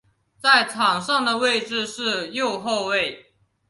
在场上的位置是右后卫。